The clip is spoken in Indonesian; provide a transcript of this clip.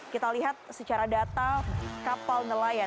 kita lihat secara data kapal nelayan